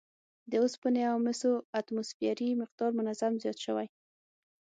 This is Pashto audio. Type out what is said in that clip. د اوسپنې او مسو اتوموسفیري مقدار منظم زیات شوی